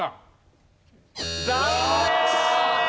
残念！